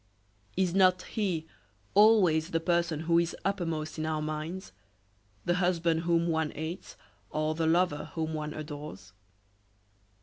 Is not "he" always the person who is uppermost in our minds, the husband whom one hates or the lover whom one adores?